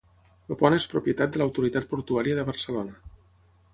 El pont és propietat de l’Autoritat Portuària de Barcelona.